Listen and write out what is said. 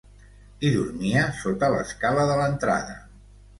Hi dormia sota l'escala de l'entrada.